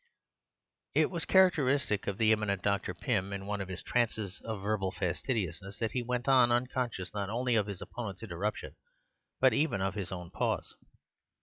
It was characteristic of the eminent Pym, in one of his trances of verbal fastidiousness, that he went on, unconscious not only of his opponent's interruption, but even of his own pause.